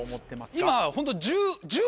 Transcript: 今ホント。